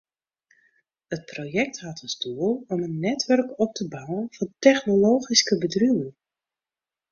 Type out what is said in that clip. It projekt hat as doel om in netwurk op te bouwen fan technologyske bedriuwen.